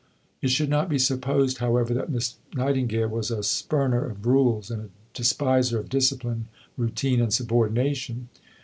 It should not be supposed, however, that Miss Nightingale was a spurner of rules, and a despiser of discipline, routine, and subordination.